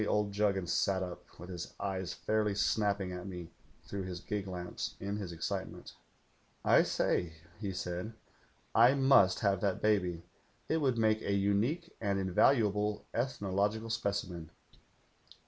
d Juggins sat up, with his eyes fairly snapping at me through his gig lamps in his excitement. ■'T say,' he said. 'I must have that baby. It woidd make a unique and invaluable ethnological specimen.'